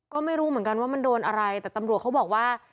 ก็ไม่รู้เหมือนกันว่ามันโดนอะไรแต่ตำรวจเขาบอกว่า